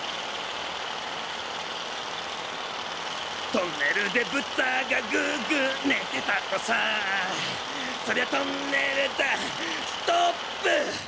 トンネルでぶたがグーグーねてたとさそりゃトンネルだストーップ！